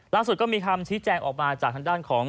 ก็มีคำชี้แจงออกมาจากทางด้านของ